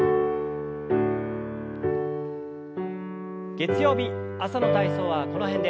月曜日朝の体操はこの辺で。